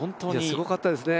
すごかったですね。